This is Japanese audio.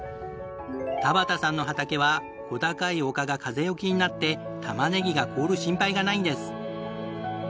田端さんの畑は小高い丘が風よけになってたまねぎが凍る心配がないんです。